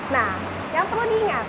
nah yang perlu diingat